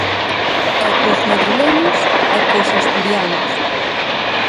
E cos madrileños e cos asturianos.